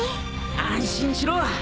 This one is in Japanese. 安心しろ。